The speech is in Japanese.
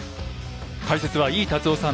解説は井伊達夫さん